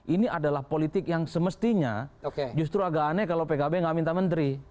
ini adalah politik yang semestinya justru agak aneh kalau pkb nggak minta menteri